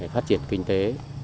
phát triển kinh tế